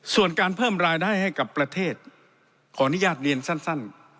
ส่วนการเพิ่มรายได้ให้กับประเทศขออนุญาตเรียนสั้น